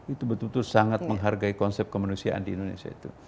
itu betul betul sangat menghargai konsep kemanusiaan di indonesia itu